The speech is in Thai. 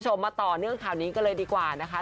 ให้ผู้ชมมาต่อเรื่องข่าวนี้ก็เลยดีกว่านะคะ